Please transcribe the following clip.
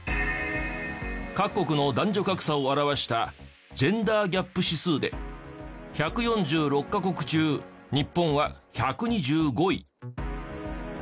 各国の男女格差を表したジェンダー・ギャップ指数で１４６カ国中日本は１２５位。